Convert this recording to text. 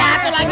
eh eh ilang